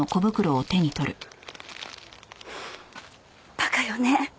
馬鹿よね。